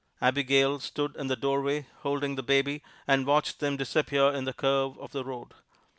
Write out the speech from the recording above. Abigail stood in the doorway holding the baby, and watched them disappear in the curve of the road.